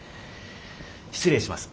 失礼します。